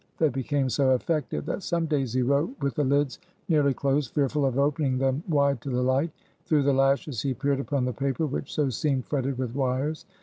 They became so affected, that some days he wrote with the lids nearly closed, fearful of opening them wide to the light. Through the lashes he peered upon the paper, which so seemed fretted with wires.